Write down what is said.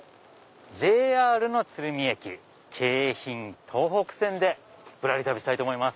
ＪＲの鶴見駅京浜東北線でぶらり旅したいと思います。